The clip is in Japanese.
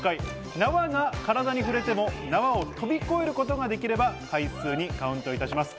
縄が体に触れても縄を跳び越えることができれば回数にカウントいたします。